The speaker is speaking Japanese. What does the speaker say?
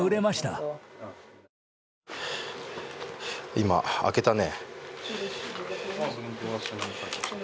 今、開けたね。